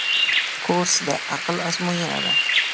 کورس د عقل آزموینه ده.